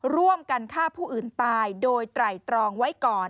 ร่วมกันฆ่าผู้อื่นตายโดยไตรตรองไว้ก่อน